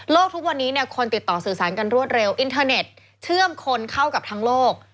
ทุกวันนี้เนี่ยคนติดต่อสื่อสารกันรวดเร็วอินเทอร์เน็ตเชื่อมคนเข้ากับทั้งโลก